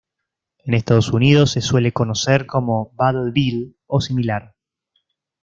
En Estados Unidos se suele conocer como "bottle bill" o similar.